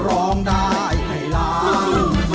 ร้องได้ให้ร้อง